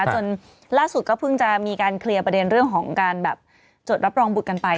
จนล่าสุดก็เพิ่งจะมีการเคลียร์ประเด็นเรื่องของการแบบจดรับรองบุตรกันไป